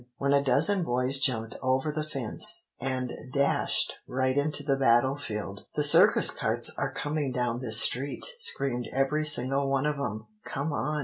when a dozen boys jumped over the fence, and dashed right into the battle field. "'The circus carts are coming down this street,' screamed every single one of 'em; 'come on!